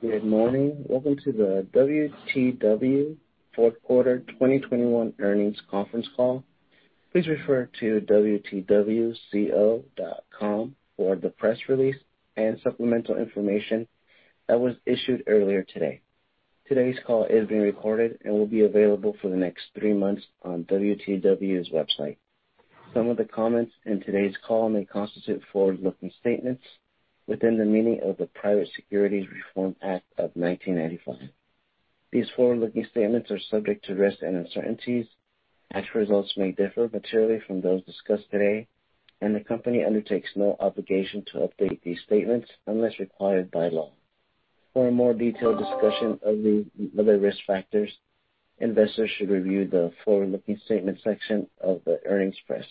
Good morning. Welcome to the WTW fourth quarter 2021 earnings conference call. Please refer to wtwco.com for the press release and supplemental information that was issued earlier today. Today's call is being recorded and will be available for the next three months on WTW's website. Some of the comments in today's call may constitute forward-looking statements within the meaning of the Private Securities Litigation Reform Act of 1995. These forward-looking statements are subject to risks and uncertainties. Actual results may differ materially from those discussed today, and the company undertakes no obligation to update these statements unless required by law. For a more detailed discussion of the other risk factors, investors should review the forward-looking statement section of the earnings press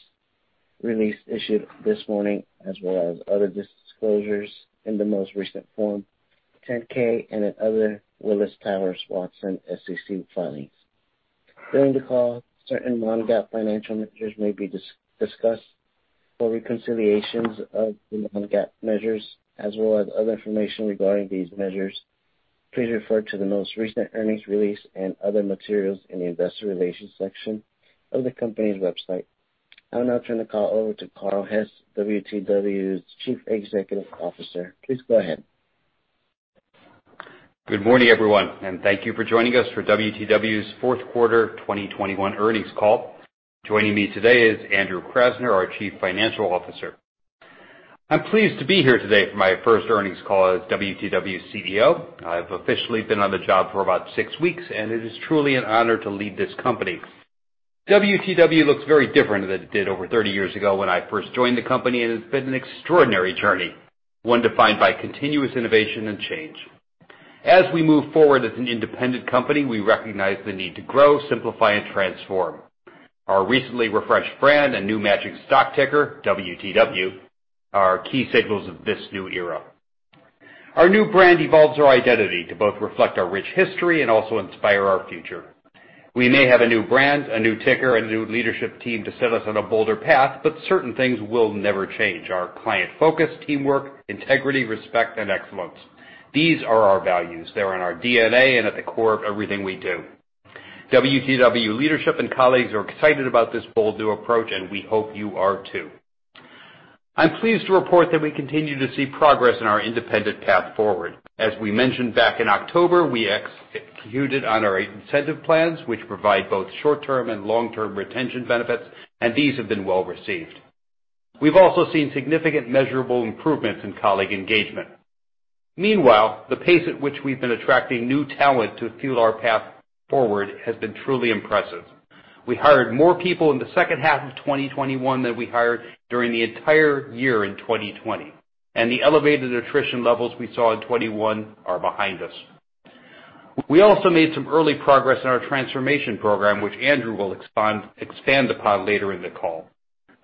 release issued this morning, as well as other disclosures in the most recent Form 10-K and in other Willis Towers Watson SEC filings. During the call, certain non-GAAP financial measures may be discussed. For reconciliations of the non-GAAP measures as well as other information regarding these measures, please refer to the most recent earnings release and other materials in the investor relations section of the company's website. I'll now turn the call over to Carl Hess, WTW's Chief Executive Officer. Please go ahead. Good morning, everyone, and thank you for joining us for WTW's fourth quarter 2021 earnings call. Joining me today is Andrew Krasner, our Chief Financial Officer. I'm pleased to be here today for my first earnings call as WTW's CEO. I've officially been on the job for about 6 weeks, and it is truly an honor to lead this company. WTW looks very different than it did over 30 years ago when I first joined the company, and it's been an extraordinary journey, one defined by continuous innovation and change. As we move forward as an independent company, we recognize the need to grow, simplify, and transform. Our recently refreshed brand and new matching stock ticker, WTW, are key signals of this new era. Our new brand evolves our identity to both reflect our rich history and also inspire our future. We may have a new brand, a new ticker, a new leadership team to set us on a bolder path, but certain things will never change. Our client focus, teamwork, integrity, respect, and excellence. These are our values. They're in our DNA and at the core of everything we do. WTW leadership and colleagues are excited about this bold new approach, and we hope you are too. I'm pleased to report that we continue to see progress in our independent path forward. As we mentioned back in October, we executed on our incentive plans, which provide both short-term and long-term retention benefits, and these have been well-received. We've also seen significant measurable improvements in colleague engagement. Meanwhile, the pace at which we've been attracting new talent to fuel our path forward has been truly impressive. We hired more people in the second half of 2021 than we hired during the entire year in 2020, and the elevated attrition levels we saw in 2021 are behind us. We also made some early progress in our transformation program, which Andrew will expand upon later in the call.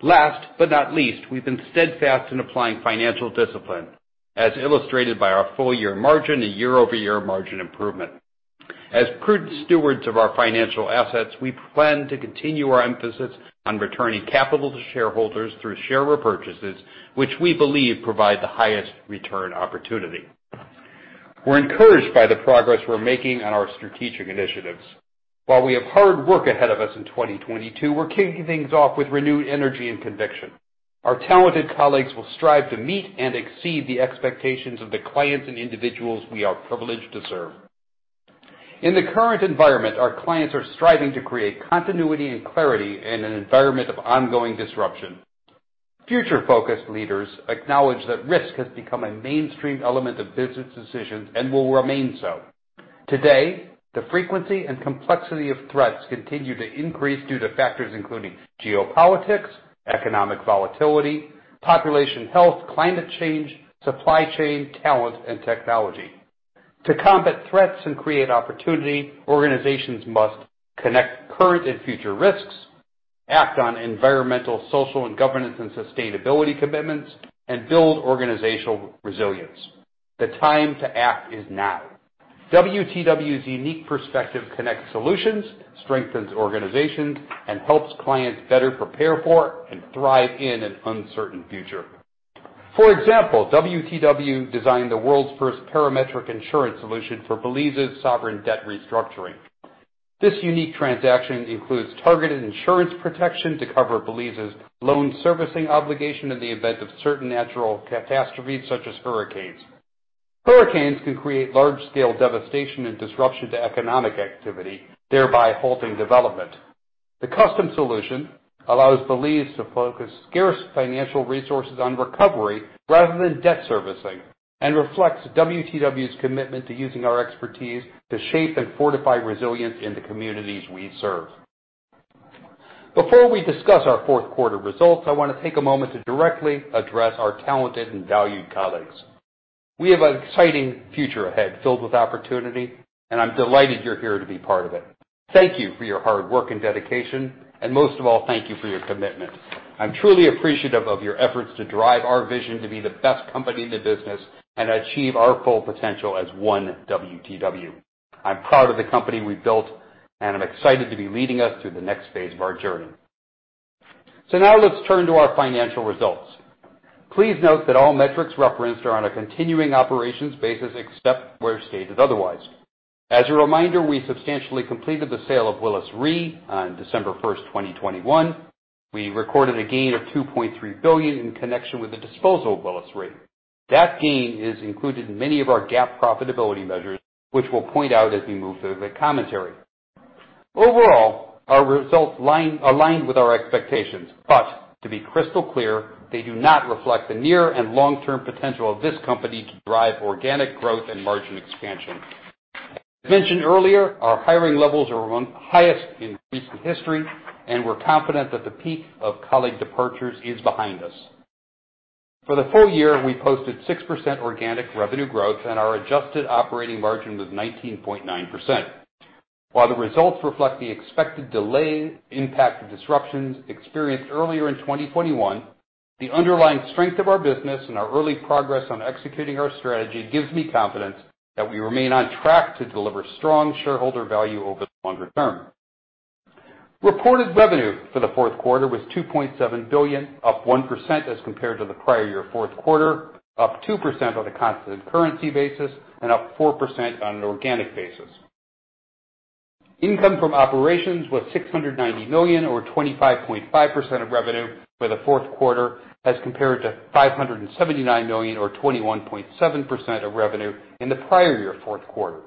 Last but not least, we've been steadfast in applying financial discipline, as illustrated by our full year margin and year-over-year margin improvement. As prudent stewards of our financial assets, we plan to continue our emphasis on returning capital to shareholders through share repurchases, which we believe provide the highest return opportunity. We're encouraged by the progress we're making on our strategic initiatives. While we have hard work ahead of us in 2022, we're kicking things off with renewed energy and conviction. Our talented colleagues will strive to meet and exceed the expectations of the clients and individuals we are privileged to serve. In the current environment, our clients are striving to create continuity and clarity in an environment of ongoing disruption. Future-focused leaders acknowledge that risk has become a mainstream element of business decisions and will remain so. Today, the frequency and complexity of threats continue to increase due to factors including geopolitics, economic volatility, population health, climate change, supply chain, talent, and technology. To combat threats and create opportunity, organizations must connect current and future risks, act on environmental, social and governance, and sustainability commitments, and build organizational resilience. The time to act is now. WTW's unique perspective connects solutions, strengthens organizations, and helps clients better prepare for and thrive in an uncertain future. For example, WTW designed the world's first parametric insurance solution for Belize's sovereign debt restructuring. This unique transaction includes targeted insurance protection to cover Belize's loan servicing obligation in the event of certain natural catastrophes, such as hurricanes. Hurricanes can create large-scale devastation and disruption to economic activity, thereby halting development. The custom solution allows Belize to focus scarce financial resources on recovery rather than debt servicing and reflects WTW's commitment to using our expertise to shape and fortify resilience in the communities we serve. Before we discuss our fourth quarter results, I wanna take a moment to directly address our talented and valued colleagues. We have an exciting future ahead filled with opportunity, and I'm delighted you're here to be part of it. Thank you for your hard work and dedication, and most of all, thank you for your commitment. I'm truly appreciative of your efforts to drive our vision to be the best company in the business and achieve our full potential as one WTW. I'm proud of the company we've built, and I'm excited to be leading us through the next phase of our journey. Now let's turn to our financial results. Please note that all metrics referenced are on a continuing operations basis, except where stated otherwise. As a reminder, we substantially completed the sale of Willis Re on December 1st, 2021. We recorded a gain of $2.3 billion in connection with the disposal of Willis Re. That gain is included in many of our GAAP profitability measures, which we'll point out as we move through the commentary. Overall, our results align with our expectations, but to be crystal clear, they do not reflect the near and long-term potential of this company to drive organic growth and margin expansion. As mentioned earlier, our hiring levels are among the highest in recent history, and we're confident that the peak of colleague departures is behind us. For the full year, we posted 6% organic revenue growth, and our adjusted operating margin was 19.9%. While the results reflect the expected delay impact of disruptions experienced earlier in 2021, the underlying strength of our business and our early progress on executing our strategy gives me confidence that we remain on track to deliver strong shareholder value over the longer term. Reported revenue for the fourth quarter was $2.7 billion, up 1% as compared to the prior year fourth quarter, up 2% on a constant currency basis, and up 4% on an organic basis. Income from operations was $690 million, or 25.5% of revenue for the fourth quarter as compared to $579 million or 21.7% of revenue in the prior year fourth quarter.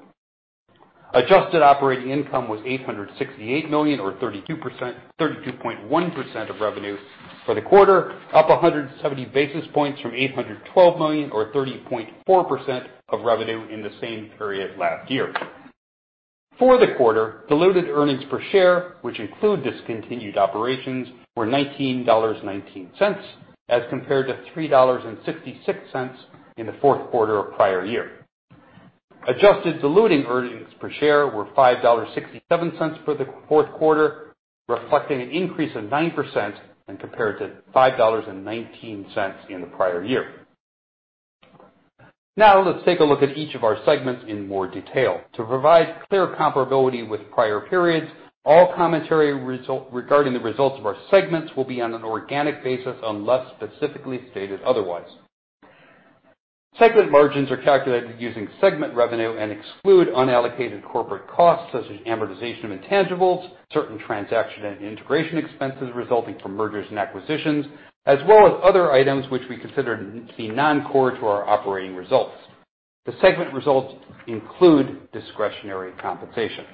Adjusted operating income was $868 million, or 32.1% of revenue for the quarter, up 170 basis points from $812 million, or 30.4% of revenue in the same period last year. For the quarter, diluted earnings per share, which include discontinued operations, were $19.19, as compared to $3.66 in the fourth quarter of prior year. Adjusted diluted earnings per share were $5.67 for the fourth quarter, reflecting an increase of 9% and compared to $5.19 in the prior year. Now, let's take a look at each of our segments in more detail. To provide clear comparability with prior periods, all commentary regarding the results of our segments will be on an organic basis unless specifically stated otherwise. Segment margins are calculated using segment revenue and exclude unallocated corporate costs, such as amortization of intangibles, certain transaction and integration expenses resulting from mergers and acquisitions, as well as other items which we consider to be non-core to our operating results. The segment results include discretionary compensation.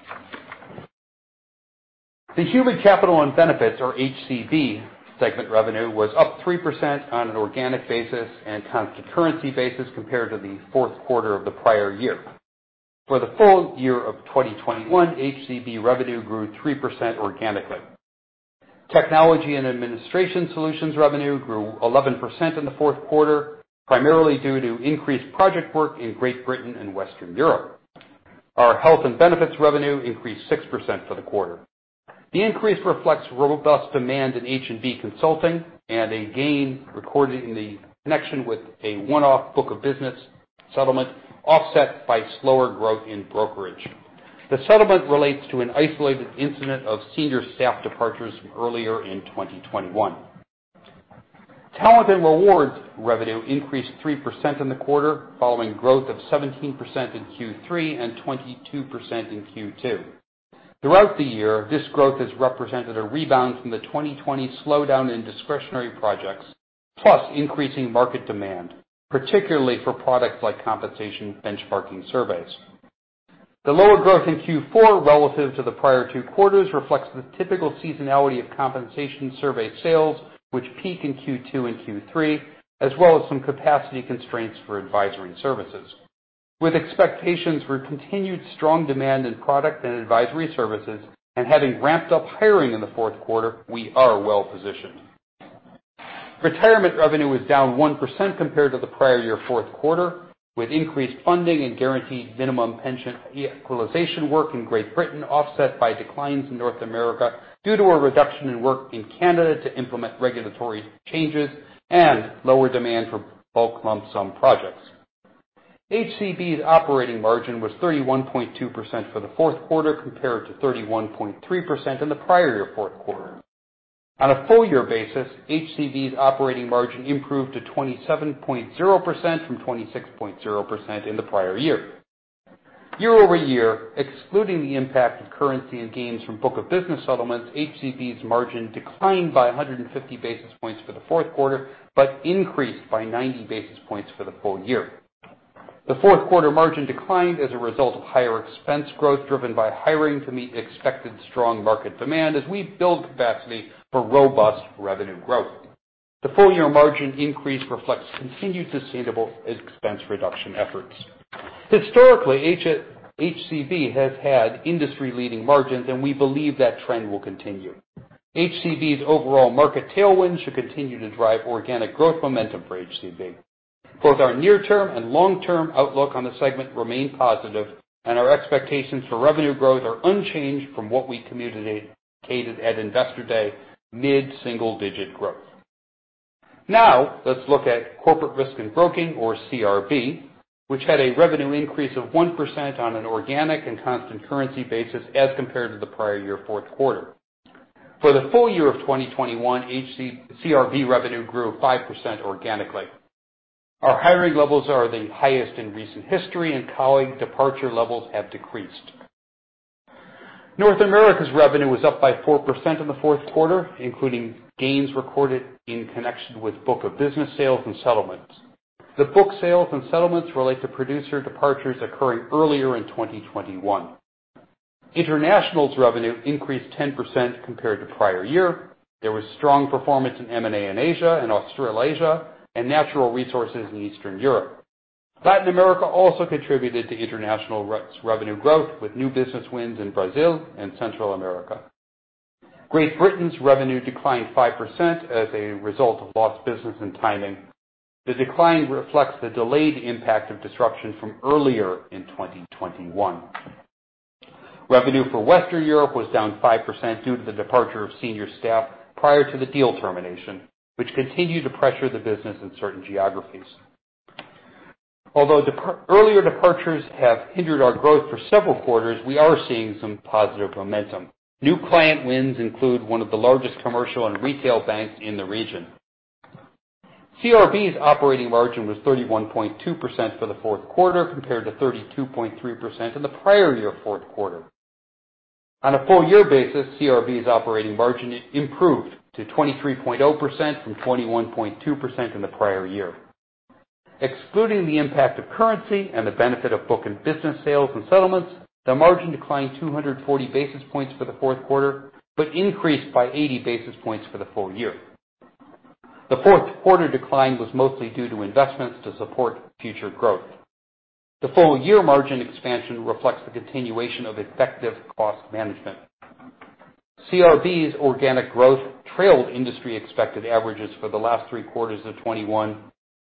The Human Capital and Benefits, or HCB segment revenue, was up 3% on an organic basis and constant currency basis compared to the fourth quarter of the prior year. For the full year of 2021, HCB revenue grew 3% organically. Technology and administration solutions revenue grew 11% in the fourth quarter, primarily due to increased project work in Great Britain and Western Europe. Our health and benefits revenue increased 6% for the quarter. The increase reflects robust demand in H&B consulting and a gain recorded in connection with a one-off book of business settlement, offset by slower growth in brokerage. The settlement relates to an isolated incident of senior staff departures from earlier in 2021. Talent and Rewards revenue increased 3% in the quarter, following growth of 17% in Q3 and 22% in Q2. Throughout the year, this growth has represented a rebound from the 2020 slowdown in discretionary projects, plus increasing market demand, particularly for products like compensation benchmarking surveys. The lower growth in Q4 relative to the prior two quarters reflects the typical seasonality of compensation survey sales, which peak in Q2 and Q3, as well as some capacity constraints for advisory services. With expectations for continued strong demand in product and advisory services and having ramped up hiring in the fourth quarter, we are well positioned. Retirement revenue was down 1% compared to the prior year fourth quarter, with increased funding and guaranteed minimum pension equalization work in Great Britain offset by declines in North America due to a reduction in work in Canada to implement regulatory changes and lower demand for bulk lump-sum projects. HCB's operating margin was 31.2% for the fourth quarter, compared to 31.3% in the prior year fourth quarter. On a full-year basis, HCB's operating margin improved to 27.0% from 26.0% in the prior year. Year-over-year, excluding the impact of currency and gains from book of business settlements, HCB's margin declined by 150 basis points for the fourth quarter, but increased by 90 basis points for the full year. The fourth quarter margin declined as a result of higher expense growth, driven by hiring to meet expected strong market demand as we build capacity for robust revenue growth. The full year margin increase reflects continued sustainable expense reduction efforts. Historically, HCB has had industry-leading margins, and we believe that trend will continue. HCB's overall market tailwind should continue to drive organic growth momentum for HCB. Both our near-term and long-term outlook on the segment remain positive, and our expectations for revenue growth are unchanged from what we communicated at Investor Day, mid-single-digit growth. Now let's look at Corporate Risk and Broking or CRB, which had a revenue increase of 1% on an organic and constant currency basis as compared to the prior year fourth quarter. For the full year of 2021, CRB revenue grew 5% organically. Our hiring levels are the highest in recent history, and colleague departure levels have decreased. North America's revenue was up by 4% in the fourth quarter, including gains recorded in connection with book of business sales and settlements. The book sales and settlements relate to producer departures occurring earlier in 2021. International's revenue increased 10% compared to prior year. There was strong performance in M&A in Asia and Australasia and natural resources in Eastern Europe. Latin America also contributed to international revenue growth with new business wins in Brazil and Central America. Great Britain's revenue declined 5% as a result of lost business and timing. The decline reflects the delayed impact of disruption from earlier in 2021. Revenue for Western Europe was down 5% due to the departure of senior staff prior to the deal termination, which continued to pressure the business in certain geographies. Although earlier departures have hindered our growth for several quarters, we are seeing some positive momentum. New client wins include one of the largest commercial and retail banks in the region. CRB's operating margin was 31.2% for the fourth quarter, compared to 32.3% in the prior year fourth quarter. On a full year basis, CRB's operating margin improved to 23.0% from 21.2% in the prior year. Excluding the impact of currency and the benefit of book and business sales and settlements, the margin declined 240 basis points for the fourth quarter, but increased by 80 basis points for the full year. The fourth quarter decline was mostly due to investments to support future growth. The full year margin expansion reflects the continuation of effective cost management. CRB's organic growth trailed industry expected averages for the last three quarters of 2021,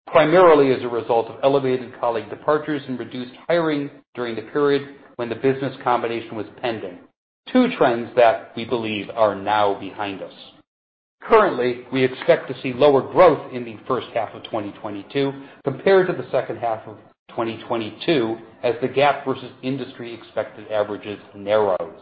primarily as a result of elevated colleague departures and reduced hiring during the period when the business combination was pending, two trends that we believe are now behind us. Currently, we expect to see lower growth in the first half of 2022 compared to the second half of 2022 as the gap versus industry expected averages narrows.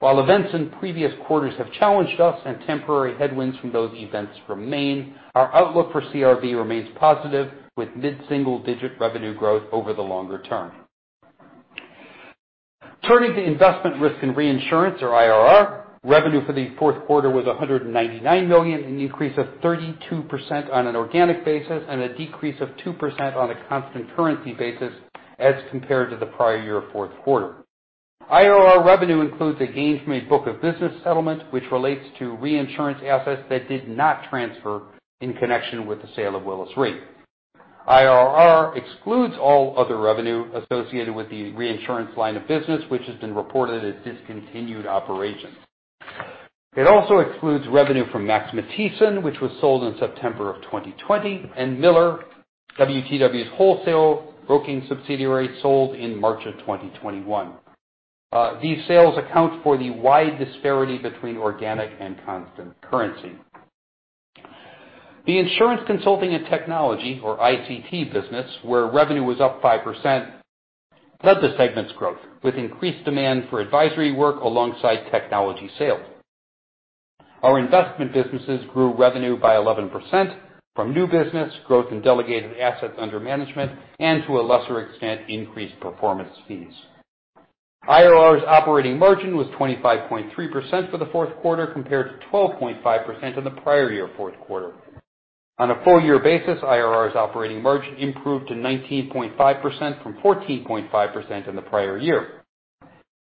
While events in previous quarters have challenged us and temporary headwinds from those events remain, our outlook for CRB remains positive, with mid-single-digit revenue growth over the longer term. Turning to investment risk and reinsurance, or IRR, revenue for the fourth quarter was $199 million, an increase of 32% on an organic basis and a decrease of 2% on a constant currency basis as compared to the prior year fourth quarter. IRR revenue includes a gain from a book of business settlement, which relates to reinsurance assets that did not transfer in connection with the sale of Willis Re. IRR excludes all other revenue associated with the reinsurance line of business, which has been reported as discontinued operations. It also excludes revenue from Max Matthiessen, which was sold in September 2020, and Miller, WTW's wholesale broking subsidiary, sold in March 2021. These sales account for the wide disparity between organic and constant currency. The insurance consulting and technology or ICT business, where revenue was up 5%, led the segment's growth with increased demand for advisory work alongside technology sales. Our investment businesses grew revenue by 11% from new business growth and delegated assets under management and, to a lesser extent, increased performance fees. IRR's operating margin was 25.3% for the fourth quarter, compared to 12.5% in the prior year fourth quarter. On a full year basis, IRR's operating margin improved to 19.5% from 14.5% in the prior year.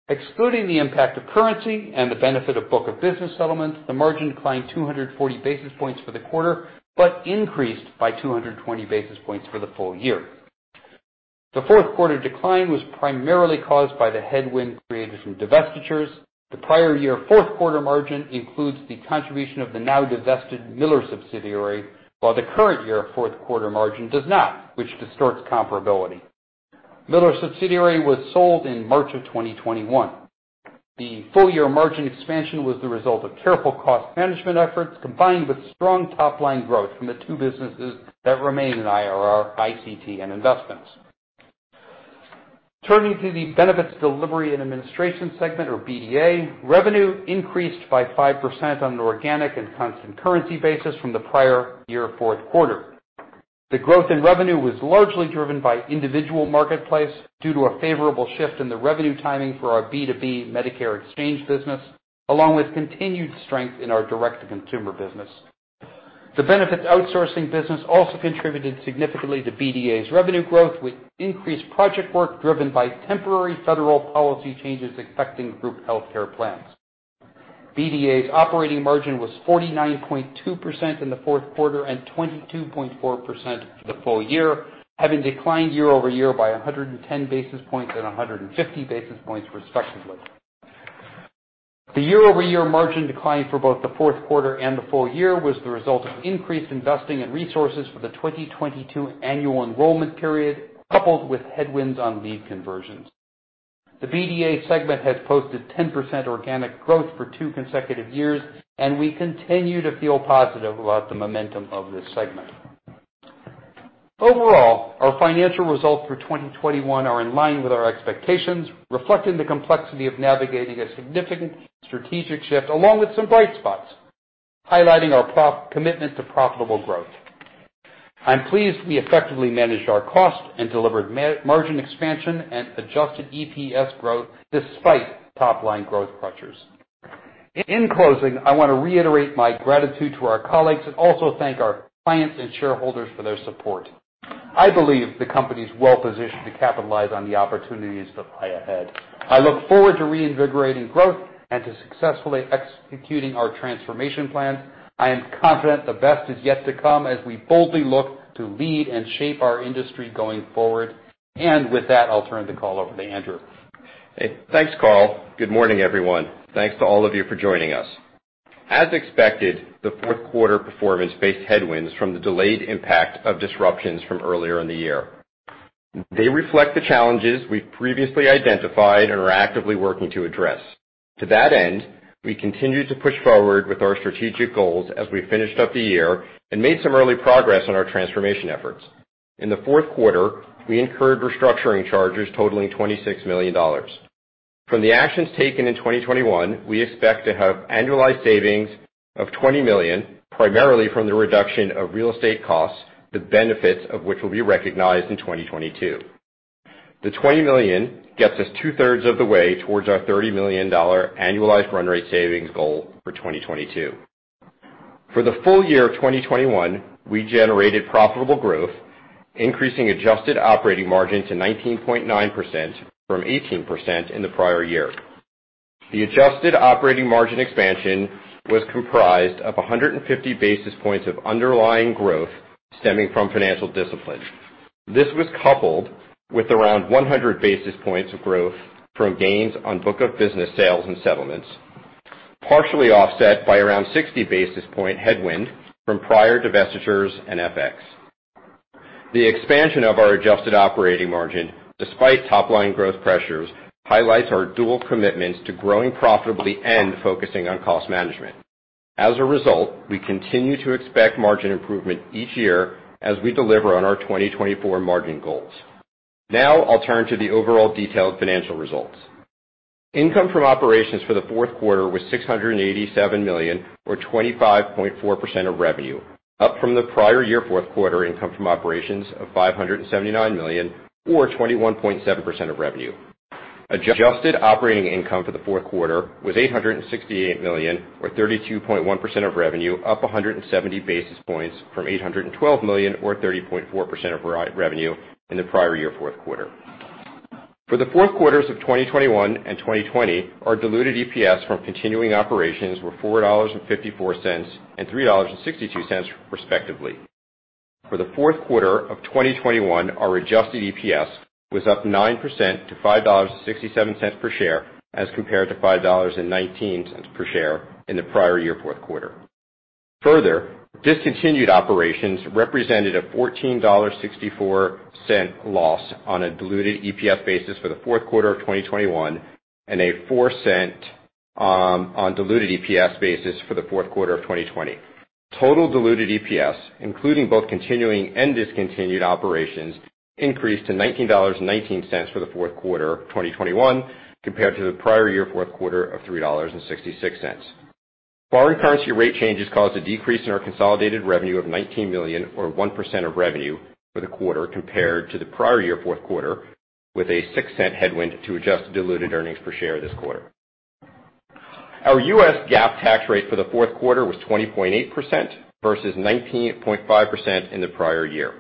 Excluding the impact of currency and the benefit of book or business settlements, the margin declined 240 basis points for the quarter, but increased by 220 basis points for the full year. The fourth quarter decline was primarily caused by the headwind created from divestitures. The prior year fourth quarter margin includes the contribution of the now divested Miller subsidiary, while the current year fourth quarter margin does not, which distorts comparability. Miller subsidiary was sold in March 2021. The full year margin expansion was the result of careful cost management efforts, combined with strong top-line growth from the two businesses that remain in IRR, ICT and investments. Turning to the benefits delivery and administration segment, or BDA, revenue increased by 5% on an organic and constant currency basis from the prior year fourth quarter. The growth in revenue was largely driven by individual marketplace due to a favorable shift in the revenue timing for our B2B Medicare exchange business, along with continued strength in our direct-to-consumer business. The benefits outsourcing business also contributed significantly to BDA's revenue growth, with increased project work driven by temporary federal policy changes affecting group healthcare plans. BDA's operating margin was 49.2% in the fourth quarter and 22.4% for the full year, having declined year-over-year by 110 basis points and 150 basis points, respectively. The year-over-year margin decline for both the fourth quarter and the full year was the result of increased investing and resources for the 2022 annual enrollment period, coupled with headwinds on lead conversions. The BDA segment has posted 10% organic growth for two consecutive years, and we continue to feel positive about the momentum of this segment. Overall, our financial results for 2021 are in line with our expectations, reflecting the complexity of navigating a significant strategic shift, along with some bright spots highlighting our commitment to profitable growth. I'm pleased we effectively managed our cost and delivered margin expansion and adjusted EPS growth despite top-line growth pressures. In closing, I want to reiterate my gratitude to our colleagues, and also thank our clients and shareholders for their support. I believe the company's well-positioned to capitalize on the opportunities that lie ahead. I look forward to reinvigorating growth and to successfully executing our transformation plans. I am confident the best is yet to come as we boldly look to lead and shape our industry going forward. With that, I'll turn the call over to Andrew. Hey. Thanks, Carl. Good morning, everyone. Thanks to all of you for joining us. As expected, the fourth quarter performance faced headwinds from the delayed impact of disruptions from earlier in the year. They reflect the challenges we've previously identified and are actively working to address. To that end, we continue to push forward with our strategic goals as we finished up the year and made some early progress on our transformation efforts. In the fourth quarter, we incurred restructuring charges totaling $26 million. From the actions taken in 2021, we expect to have annualized savings of $20 million, primarily from the reduction of real estate costs, the benefits of which will be recognized in 2022. The $20 million gets us 2/3 of the way towards our $30 million annualized run rate savings goal for 2022. For the full year of 2021, we generated profitable growth, increasing adjusted operating margin to 19.9% from 18% in the prior year. The adjusted operating margin expansion was comprised of 150 basis points of underlying growth stemming from financial discipline. This was coupled with around 100 basis points of growth from gains on book of business sales and settlements, partially offset by around 60 basis points headwind from prior divestitures and FX. The expansion of our adjusted operating margin, despite top-line growth pressures, highlights our dual commitments to growing profitably and focusing on cost management. As a result, we continue to expect margin improvement each year as we deliver on our 2024 margin goals. Now I'll turn to the overall detailed financial results. Income from operations for the fourth quarter was $687 million or 25.4% of revenue, up from the prior year fourth quarter income from operations of $579 million or 21.7% of revenue. Adjusted operating income for the fourth quarter was $868 million or 32.1% of revenue, up 170 basis points from $812 million or 30.4% of revenue in the prior year fourth quarter. For the fourth quarters of 2021 and 2020, our diluted EPS from continuing operations were $4.54 and $3.62, respectively. For the fourth quarter of 2021, our adjusted EPS was up 9% to $5.67 per share, as compared to $5.19 per share in the prior year fourth quarter. Further, discontinued operations represented a $14.64 loss on a diluted EPS basis for the fourth quarter of 2021 and a $0.04 on diluted EPS basis for the fourth quarter of 2020. Total diluted EPS, including both continuing and discontinued operations, increased to $19.19 for the fourth quarter of 2021 compared to the prior year fourth quarter of $3.66. Foreign currency rate changes caused a decrease in our consolidated revenue of $19 million or 1% of revenue for the quarter compared to the prior-year fourth quarter, with a $0.06 headwind to adjusted diluted earnings per share this quarter. Our U.S. GAAP tax rate for the fourth quarter was 20.8% versus 19.5% in the prior year.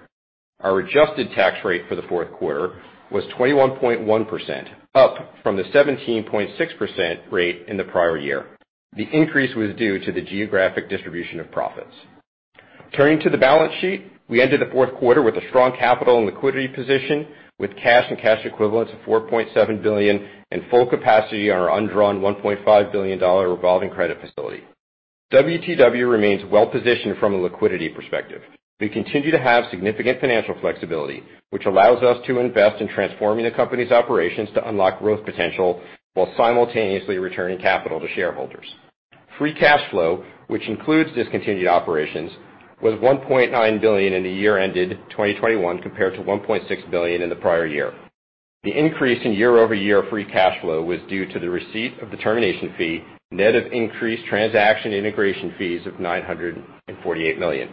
Our adjusted tax rate for the fourth quarter was 21.1%, up from the 17.6% rate in the prior year. The increase was due to the geographic distribution of profits. Turning to the balance sheet, we ended the fourth quarter with a strong capital and liquidity position with cash and cash equivalents of $4.7 billion in full capacity on our undrawn $1.5 billion revolving credit facility. WTW remains well-positioned from a liquidity perspective. We continue to have significant financial flexibility, which allows us to invest in transforming the company's operations to unlock growth potential while simultaneously returning capital to shareholders. Free cash flow, which includes discontinued operations, was $1.9 billion in the year ended 2021 compared to $1.6 billion in the prior year. The increase in year-over-year free cash flow was due to the receipt of the termination fee, net of increased transaction integration fees of $948 million.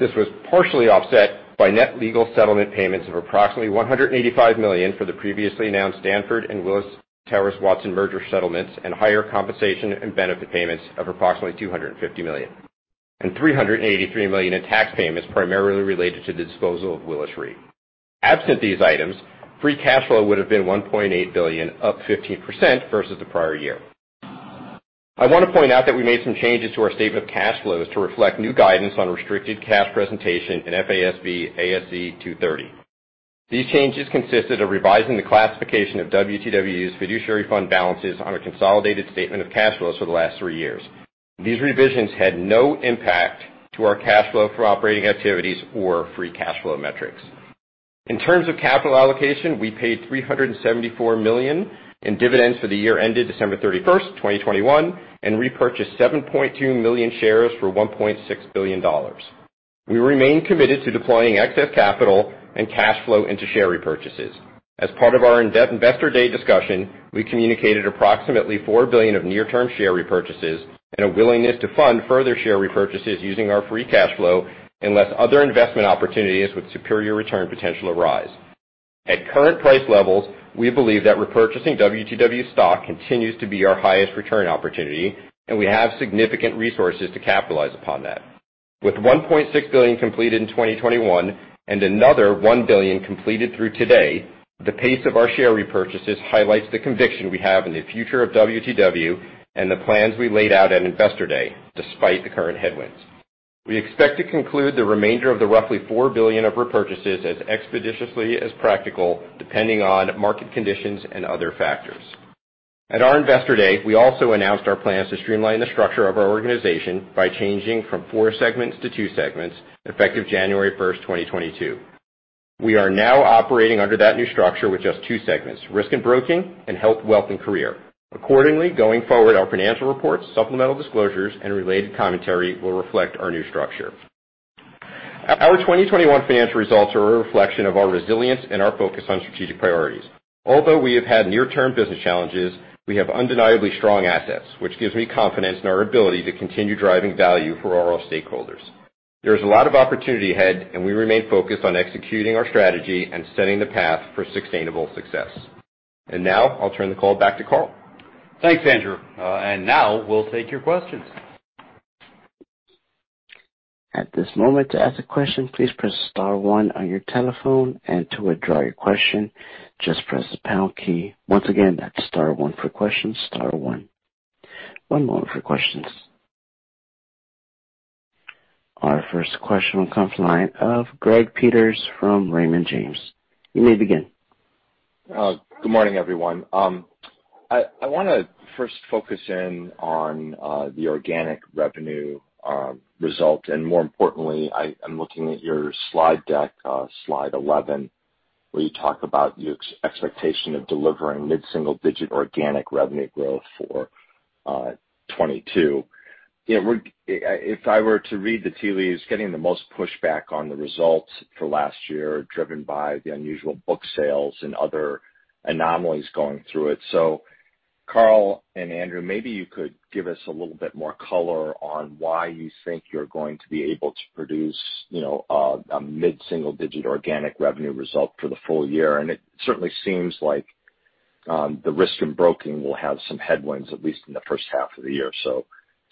This was partially offset by net legal settlement payments of approximately $185 million for the previously announced Stanford and Willis Towers Watson merger settlements and higher compensation and benefit payments of approximately $250 million, and $383 million in tax payments primarily related to the disposal of Willis Re. Absent these items, free cash flow would have been $1.8 billion, up 15% versus the prior year. I want to point out that we made some changes to our statement of cash flows to reflect new guidance on restricted cash presentation in FASB ASC 230. These changes consisted of revising the classification of WTW's fiduciary fund balances on a consolidated statement of cash flows for the last three years. These revisions had no impact to our cash flow from operating activities or free cash flow metrics. In terms of capital allocation, we paid $374 million in dividends for the year ended December 31, 2021, and repurchased 7.2 million shares for $1.6 billion. We remain committed to deploying excess capital and cash flow into share repurchases. As part of our Investor Day discussion, we communicated approximately $4 billion of near-term share repurchases and a willingness to fund further share repurchases using our free cash flow unless other investment opportunities with superior return potential arise. At current price levels, we believe that repurchasing WTW stock continues to be our highest return opportunity, and we have significant resources to capitalize upon that. With $1.6 billion completed in 2021 and another $1 billion completed through today, the pace of our share repurchases highlights the conviction we have in the future of WTW and the plans we laid out at Investor Day, despite the current headwinds. We expect to conclude the remainder of the roughly $4 billion of repurchases as expeditiously as practical, depending on market conditions and other factors. At our Investor Day, we also announced our plans to streamline the structure of our organization by changing from four segments to two segments, effective January 1, 2022. We are now operating under that new structure with just two segments, Risk and Broking, and Health, Wealth, and Career. Accordingly, going forward, our financial reports, supplemental disclosures, and related commentary will reflect our new structure. Our 2021 financial results are a reflection of our resilience and our focus on strategic priorities. Although we have had near-term business challenges, we have undeniably strong assets, which gives me confidence in our ability to continue driving value for all our stakeholders. There is a lot of opportunity ahead, and we remain focused on executing our strategy and setting the path for sustainable success. Now I'll turn the call back to Carl. Thanks, Andrew. Now we'll take your questions. At this moment, to ask a question, please press star one on your telephone, and to withdraw your question, just press the pound key. Once again, that's star one for questions, star one. One moment for questions. Our first question will come from the line of Greg Peters from Raymond James. You may begin. Good morning, everyone. I wanna first focus in on the organic revenue result. More importantly, I'm looking at your slide deck, slide 11, where you talk about your expectation of delivering mid-single digit organic revenue growth for 2022. You know, if I were to read the tea leaves, getting the most pushback on the results for last year, driven by the unusual book sales and other anomalies going through it. Carl and Andrew, maybe you could give us a little bit more color on why you think you're going to be able to produce, you know, a mid-single digit organic revenue result for the full year. It certainly seems like the Risk and Broking will have some headwinds, at least in the first half of the year.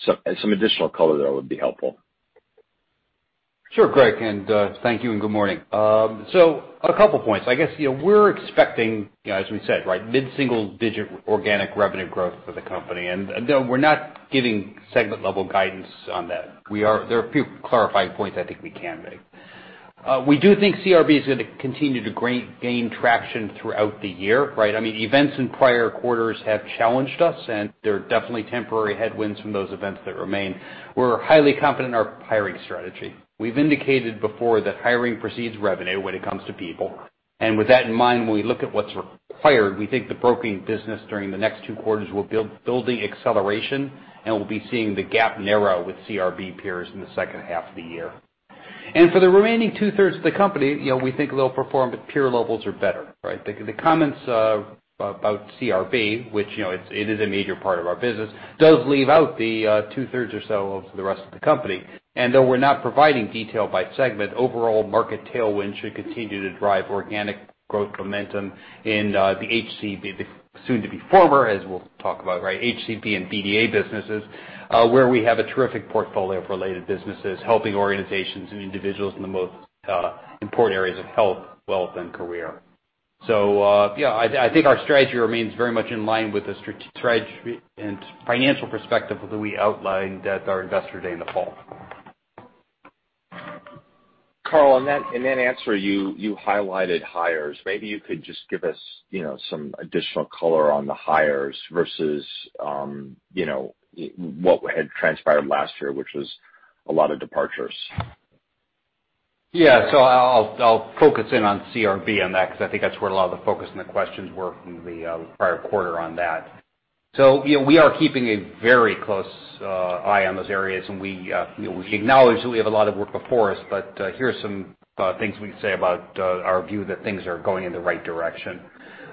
Some additional color there would be helpful. Sure, Greg, thank you and good morning. A couple points. I guess, you know, we're expecting, you know, as we said, right, mid-single-digit organic revenue growth for the company. You know, we're not giving segment-level guidance on that. There are a few clarifying points I think we can make. We do think CRB is gonna continue to gain traction throughout the year, right? I mean, events in prior quarters have challenged us, and there are definitely temporary headwinds from those events that remain. We're highly confident in our hiring strategy. We've indicated before that hiring precedes revenue when it comes to people. With that in mind, when we look at what's required, we think the broking business during the next two quarters will build acceleration, and we'll be seeing the gap narrow with CRB peers in the second half of the year. For the remaining two-thirds of the company, you know, we think they'll perform at peer levels or better, right? The comments about CRB, which, you know, it is a major part of our business, does leave out the two-thirds or so of the rest of the company. Though we're not providing detail by segment, overall market tailwind should continue to drive organic growth momentum in the soon to be former, as we'll talk about, right, HCB and BDA businesses, where we have a terrific portfolio of related businesses, helping organizations and individuals in the most important areas of Health, Wealth and Career. Yeah, I think our strategy remains very much in line with the strategy and financial perspective that we outlined at our Investor Day in the fall. Carl, in that answer, you highlighted hires. Maybe you could just give us, you know, some additional color on the hires versus, you know, what had transpired last year, which was a lot of departures. Yeah. I'll focus in on CRB on that because I think that's where a lot of the focus and the questions were from the prior quarter on that. You know, we are keeping a very close eye on those areas, and you know, we acknowledge that we have a lot of work before us. Here are some things we can say about our view that things are going in the right direction.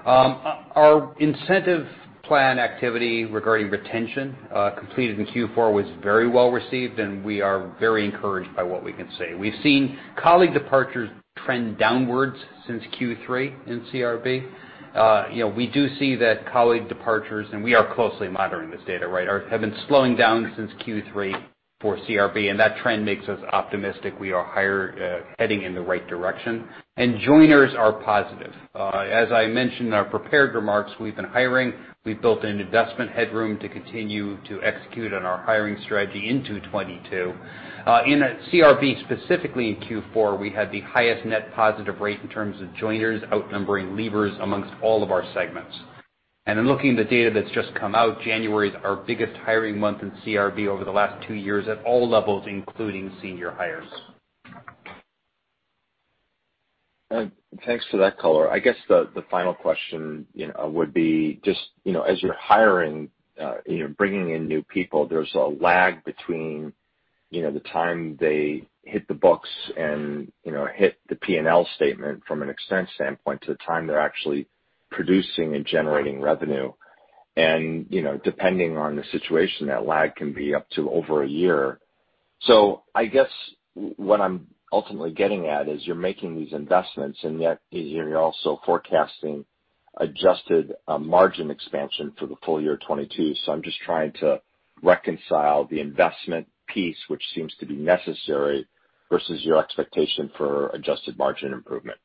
Our incentive plan activity regarding retention completed in Q4 was very well received, and we are very encouraged by what we can see. We've seen colleague departures trend downwards since Q3 in CRB. You know, we do see that colleague departures, and we are closely monitoring this data, right, have been slowing down since Q3 for CRB, and that trend makes us optimistic we are heading in the right direction. Joiners are positive. As I mentioned in our prepared remarks, we've been hiring. We've built in investment headroom to continue to execute on our hiring strategy into 2022. In CRB, specifically in Q4, we had the highest net positive rate in terms of joiners outnumbering leavers among all of our segments. In looking at the data that's just come out, January is our biggest hiring month in CRB over the last two years at all levels, including senior hires. Thanks for that color. I guess the final question, you know, would be just, you know, as you're hiring, you know, bringing in new people, there's a lag between, you know, the time they hit the books and, you know, hit the P&L statement from an expense standpoint to the time they're actually producing and generating revenue. And, you know, depending on the situation, that lag can be up to over a year. I guess what I'm ultimately getting at is you're making these investments and yet you're also forecasting adjusted margin expansion for the full year 2022. I'm just trying to reconcile the investment piece, which seems to be necessary versus your expectation for adjusted margin improvement.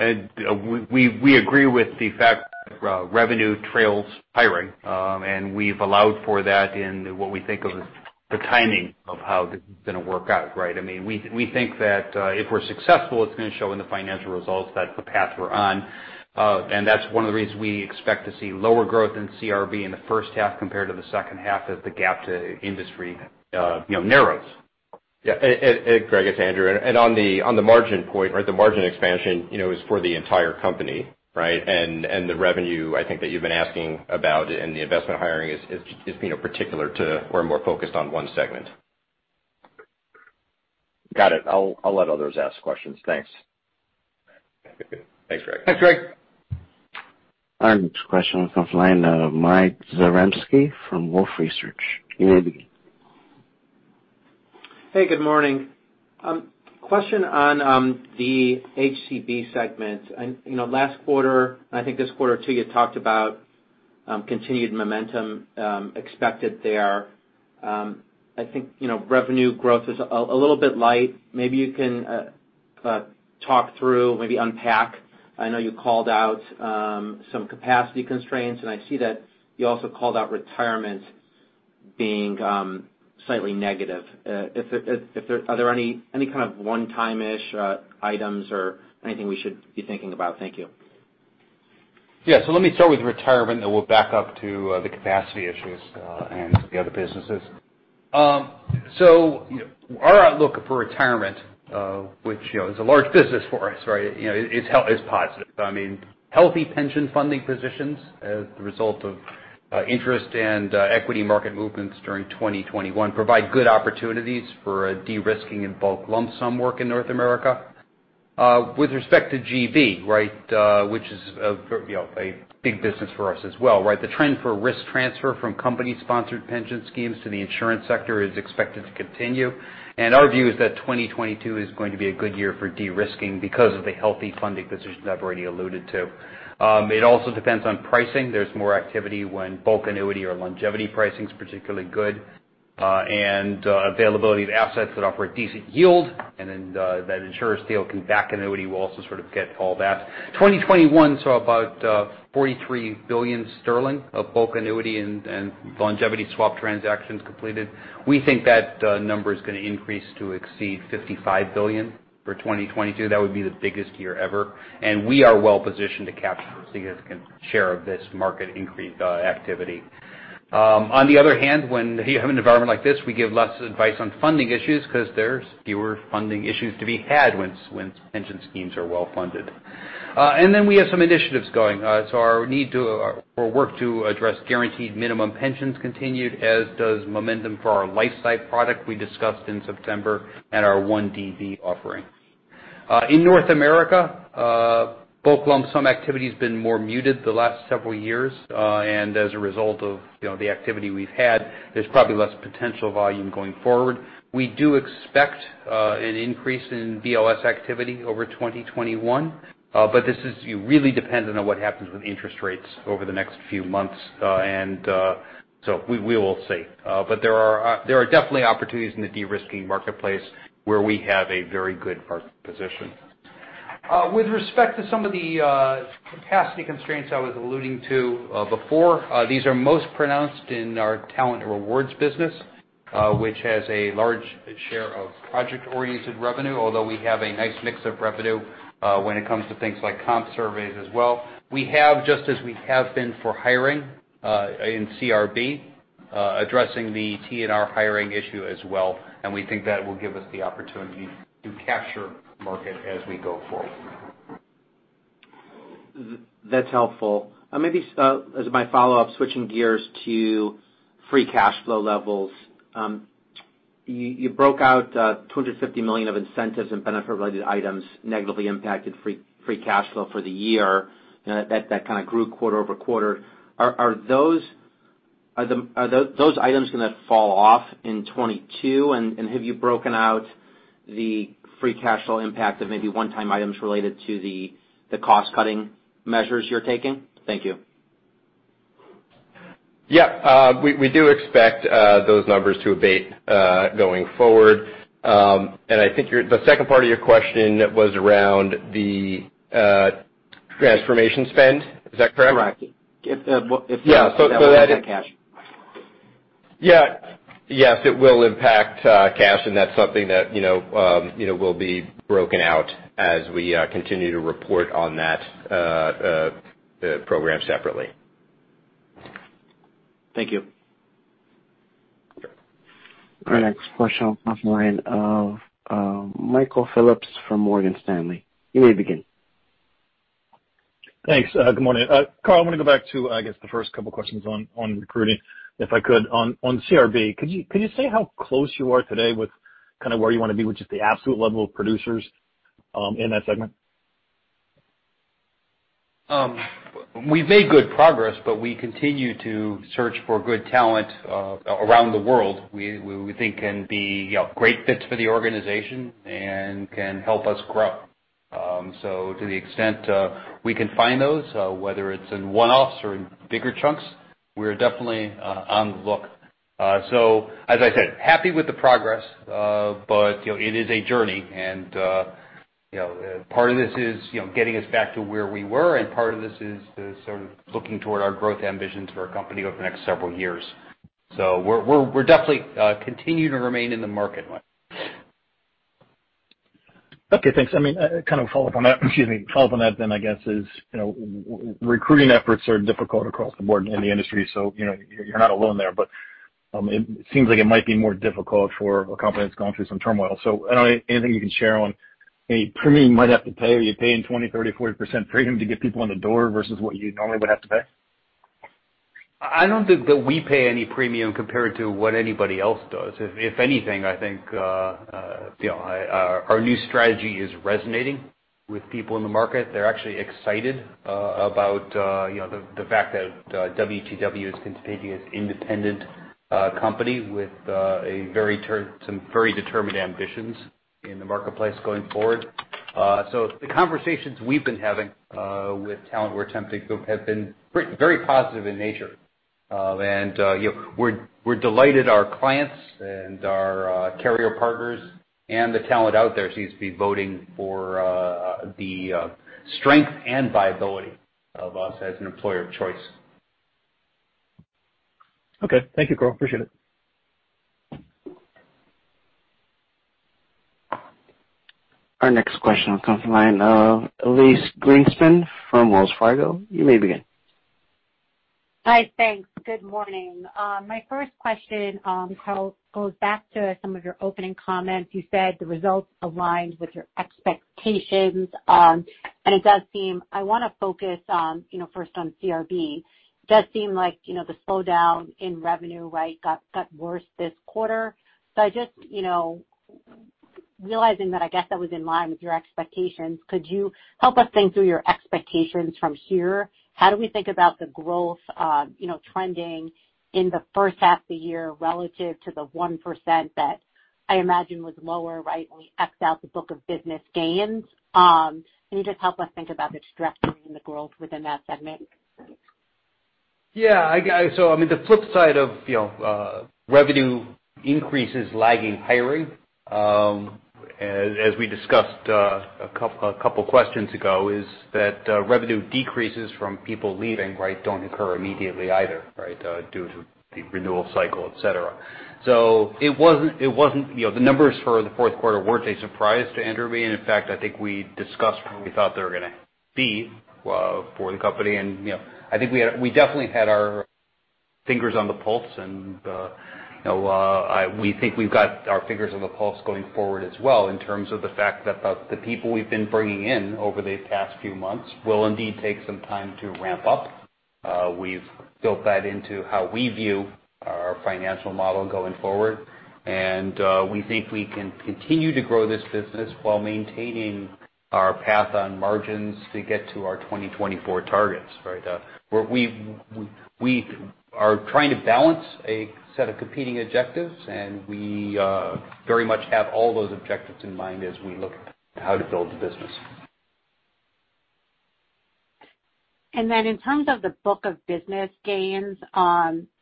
We agree with the fact revenue trails hiring. We've allowed for that in what we think of as the timing of how this is gonna work out, right? I mean, we think that if we're successful, it's gonna show in the financial results. That's the path we're on. That's one of the reasons we expect to see lower growth in CRB in the first half compared to the second half as the gap to industry you know narrows. Yeah. Greg, it's Andrew. On the margin point or the margin expansion, you know, is for the entire company, right? The revenue I think that you've been asking about and the investment hiring is, you know, particular to we're more focused on one segment. Got it. I'll let others ask questions. Thanks. Thanks, Greg. Thanks, Greg. Our next question comes from the line of Mike Zaremski from Wolfe Research. You may begin. Hey, good morning. Question on the HCB segment. You know, last quarter, and I think this quarter too, you talked about continued momentum expected there. You know, revenue growth is a little bit light. Maybe you can talk through, maybe unpack. I know you called out some capacity constraints, and I see that you also called out retirement being slightly negative. Are there any kind of one-time-ish items or anything we should be thinking about? Thank you. Yeah. Let me start with retirement, and we'll back up to the capacity issues and the other businesses. Our outlook for retirement, which, you know, is a large business for us, right? You know, is positive. I mean, healthy pension funding positions as the result of interest and equity market movements during 2021 provide good opportunities for de-risking and bulk lump sum work in North America. With respect to GB, right, which is a very, you know, a big business for us as well, right? The trend for risk transfer from company-sponsored pension schemes to the insurance sector is expected to continue. Our view is that 2022 is going to be a good year for de-risking because of the healthy funding positions I've already alluded to. It also depends on pricing. There's more activity when bulk annuity or longevity pricing is particularly good, and availability of assets that offer a decent yield and then that insurers feel can back annuity will also sort of get all that. 2021 saw about 43 billion sterling of bulk annuity and longevity swap transactions completed. We think that number is gonna increase to exceed 55 billion for 2022. That would be the biggest year ever, and we are well positioned to capture a significant share of this market increase activity. On the other hand, when you have an environment like this, we give less advice on funding issues 'cause there's fewer funding issues to be had once pension schemes are well-funded. We have some initiatives going. Our work to address guaranteed minimum pensions continued, as does momentum for our LifeSight product we discussed in September and our OneDB offering. In North America, bulk lump sum activity has been more muted the last several years, and as a result of, you know, the activity we've had, there's probably less potential volume going forward. We do expect an increase in BLS activity over 2021, but this is really dependent on what happens with interest rates over the next few months. We will see. But there are definitely opportunities in the de-risking marketplace where we have a very good position. With respect to some of the capacity constraints I was alluding to before, these are most pronounced in our Talent & Rewards business, which has a large share of project-oriented revenue. Although we have a nice mix of revenue when it comes to things like comp surveys as well, we have, just as we have been for hiring in CRB, addressing the T&R hiring issue as well, and we think that will give us the opportunity to capture market as we go forward. That's helpful. Maybe, as my follow-up, switching gears to free cash flow levels. You broke out $250 million of incentives and benefit related items negatively impacted free cash flow for the year. You know, that kind of grew quarter-over-quarter. Are those items gonna fall off in 2022? And have you broken out the free cash flow impact of maybe one-time items related to the cost-cutting measures you're taking? Thank you. Yeah. We do expect those numbers to abate going forward. I think the second part of your question was around the transformation spend. Is that correct? Correct. If that Yeah. Go ahead. Will that impact cash? Yeah. Yes, it will impact cash, and that's something that, you know, will be broken out as we continue to report on that program separately. Thank you. Our next question comes from the line of Michael Phillips from Morgan Stanley. You may begin. Thanks. Good morning. Carl, I want to go back to, I guess, the first couple questions on recruiting, if I could on CRB. Could you say how close you are today with kind of where you want to be, which is the absolute level of producers in that segment? We've made good progress, but we continue to search for good talent around the world. We think can be, you know, great fits for the organization and can help us grow. To the extent we can find those, whether it's in one-offs or in bigger chunks, we're definitely on the look. As I said, happy with the progress. You know, it is a journey and, you know, part of this is, you know, getting us back to where we were, and part of this is the sort of looking toward our growth ambitions for our company over the next several years. We're definitely continuing to remain in the market. Okay, thanks. I mean, kind of follow up on that. Excuse me. Follow up on that then I guess is, you know, recruiting efforts are difficult across the board in the industry, so you know, you're not alone there, but, it seems like it might be more difficult for a company that's gone through some turmoil. I don't know, anything you can share on any premium you might have to pay, are you paying 20%, 30%, 40% premium to get people in the door versus what you normally would have to pay? I don't think that we pay any premium compared to what anybody else does. If anything, I think, you know, our new strategy is resonating with people in the market. They're actually excited about, you know, the fact that WTW is continuing its independent company with some very determined ambitions in the marketplace going forward. The conversations we've been having with talent we're attempting to have been very positive in nature. You know, we're delighted our clients and our carrier partners and the talent out there seems to be voting for the strength and viability of us as an employer of choice. Okay. Thank you, Carl. Appreciate it. Our next question comes from the line of Elyse Greenspan from Wells Fargo. You may begin. Hi. Thanks. Good morning. My first question, Carl, goes back to some of your opening comments. You said the results aligned with your expectations, and it does seem I wanna focus on, you know, first on CRB. It does seem like, you know, the slowdown in revenue, right, got worse this quarter. I just, you know, realizing that, I guess that was in line with your expectations, could you help us think through your expectations from here? How do we think about the growth, you know, trending in the first half of the year relative to the 1% that I imagine was lower, right, when we X out the book of business gains? Can you just help us think about the trajectory and the growth within that segment? I mean, the flip side of, you know, revenue increase is lagging hiring, as we discussed, a couple questions ago, is that, revenue decreases from people leaving, right, don't occur immediately either, right, due to the renewal cycle, et cetera. It wasn't, you know, the numbers for the fourth quarter weren't a surprise to me. In fact, I think we discussed we thought they were gonna be, for the company and, you know, I think we definitely had our fingers on the pulse and, you know, we think we've got our fingers on the pulse going forward as well in terms of the fact that, the people we've been bringing in over these past few months will indeed take some time to ramp up. We've built that into how we view our financial model going forward. We think we can continue to grow this business while maintaining our path on margins to get to our 2024 targets, right? We're trying to balance a set of competing objectives, and we very much have all those objectives in mind as we look how to build the business. In terms of the book of business gains,